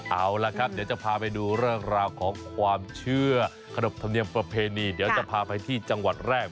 เอาละครับเดี๋ยวจะพาไปดูเรื่องราวของความเชื่อขนบธรรมเนียมประเพณีเดี๋ยวจะพาไปที่จังหวัดแรก